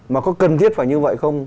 mà có cần thiết phải như vậy không